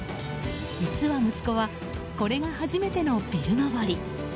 実は、息子はこれが初めてのビル登り。